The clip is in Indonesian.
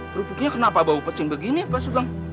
kerupuknya kenapa bau pesing begini pak sugong